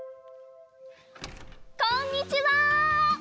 こんにちは。